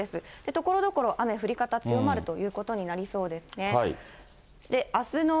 ところどころ、雨、降り方強まるということになりそうですね。